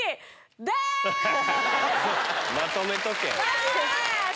まとめとけ。